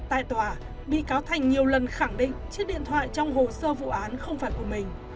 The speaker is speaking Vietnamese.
tại tòa bị cáo thành nhiều lần khẳng định chiếc điện thoại trong hồ sơ vụ án không phải của mình